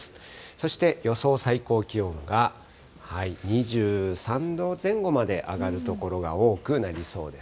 そして予想最高気温が、２３度前後まで上がる所が多くなりそうです。